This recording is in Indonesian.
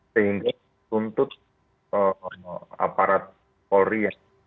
sehingga untuk aparat polri